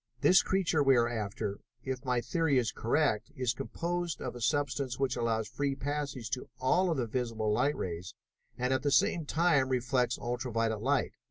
This creature we are after, if my theory is correct, is composed of a substance which allows free passage to all of the visible light rays and at the same time reflects ultra violet light.